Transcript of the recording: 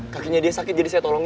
kakinya dia sakit jadi saya tolong